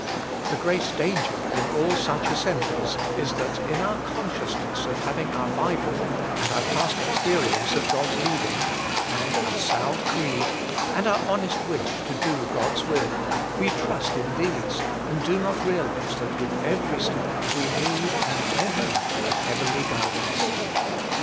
The great danger in all such assemblies is that in our consciousness of having our Bible, and our past experience of God's leading, and our sound creed, and our honest wish to do (xod's will, we trust in these, and do not realise that with every step we need and may have a heavenly guidance.